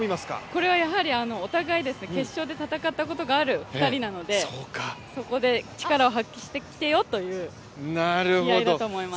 これはやはりお互い決勝で戦ったことがある２人なのでそこで力を発揮してきてよという気合いだと思います。